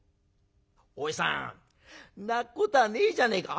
「おじさん泣くことはねえじゃねえか。